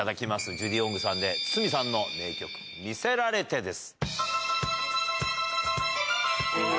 ジュディ・オングさんで、筒美さんの名曲、魅せられてです。